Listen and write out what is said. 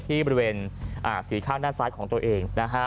ที่บริเวณสี่ข้างด้านซ้ายของตัวเองนะฮะ